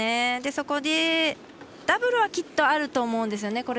そこで、ダブルはきっとあると思うんですよね。